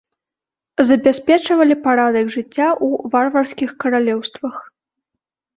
Забяспечвалі парадак жыцця ў варварскіх каралеўствах.